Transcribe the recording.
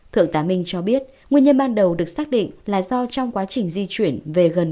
thượng tá minh cho biết nguyên nhân ban đầu được xác định là do trong quá trình di chuyển